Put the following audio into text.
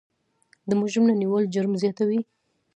د مجرم نه نیول جرم زیاتوي.